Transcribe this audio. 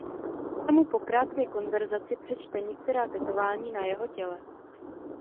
Ta mu po krátké konverzaci přečte některá tetování na jeho těle.